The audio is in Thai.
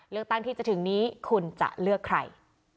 เลือกตั้งที่จะถึงนี้คุณจะเลือกใคร